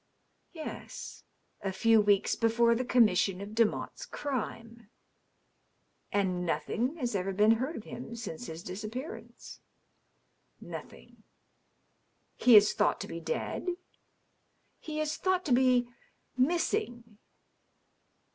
" Yes. A few weeks before the commission of Demotte's crime." "And nothing has ever been heard of him since his disappear ance?" "Nothing." " He is thought to be dead ?"" He is thought to be — missing."